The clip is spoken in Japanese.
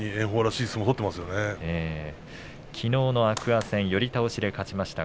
きのうの天空海戦寄り倒しで勝ちました。